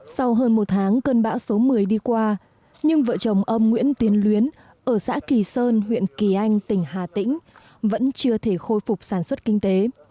sau hơn một tháng cơn bão số một mươi đi qua nhưng vợ chồng ông nguyễn tiến luyến ở xã kỳ sơn huyện kỳ anh tỉnh hà tĩnh vẫn chưa thể khôi phục sản xuất kinh tế